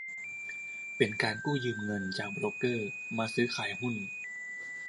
เป็นการกู้ยืมเงินจากโบรกเกอร์มาซื้อขายหุ้น